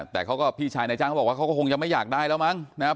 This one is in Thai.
แต่เขาก็พี่ชายนายจ้างเขาบอกว่าเขาก็คงจะไม่อยากได้แล้วมั้งนะครับ